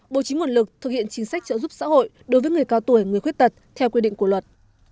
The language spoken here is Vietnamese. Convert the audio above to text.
bộ chính nguồn lực thực hiện chính sách trợ giúp xã hội đối với người cao tuổi người khuế tật theo quy định của luật